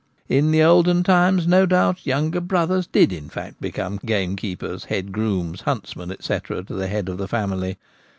In the olden times, no doubt, younger brothers did become, in fact, gamekeepers, head grooms, hunts men, &c, to the head of the family.